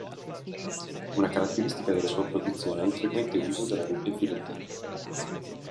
Una caratteristica della sua produzione è il frequente uso della doppia filettatura.